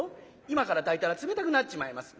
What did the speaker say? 今から炊いたら冷たくなっちまいます。